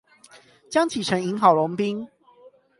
江啟臣贏郝龍斌